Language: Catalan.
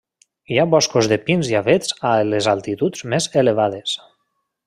Hi ha boscos de pins i avets a les altituds més elevades.